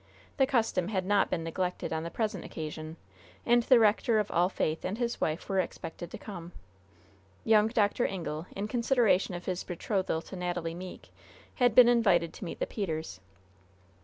The custom had not been neglected on the present occasion, and the rector of All Faith and his wife were expected to come. Young Dr. Ingle, in consideration of his betrothal to Natalie Meeke, had been invited to meet the Peters.